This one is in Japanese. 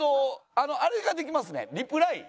あのあれができますねリプライ。